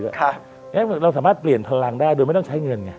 แล้วสามารถเปลี่ยนพลังได้โดยไม่ต้องใช้เงิน